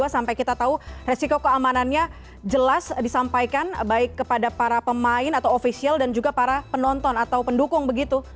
sampai kita tahu resiko keamanannya jelas disampaikan baik kepada para pemain atau ofisial dan juga para penonton atau pendukung begitu